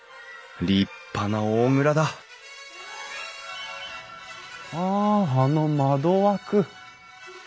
立派な大蔵だああの窓枠。